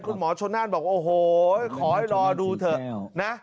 คุณหมอชนนั่นบอกว่าโอ้โหขอให้รอดูเถอะนะ